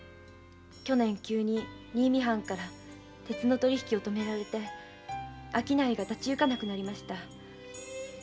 去年急に新見藩から鉄の取り引きを止められて商いが立ちゆかなくなりました。